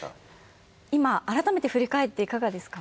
今改めて振り返っていかがですか？